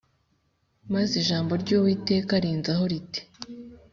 Maze ijambo ry’Uwiteka rinzaho riti